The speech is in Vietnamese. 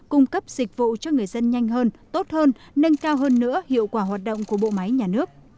cung cấp dịch vụ cho người dân nhanh hơn tốt hơn nâng cao hơn nữa hiệu quả hoạt động của bộ máy nhà nước